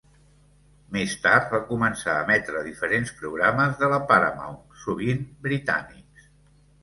Més tard va començar a emetre diferents programes de la Paramount, sovint britànics.